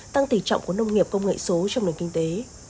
tăng tỉ trọng của nông nghiệp công nghệ số trong lĩnh kinh tế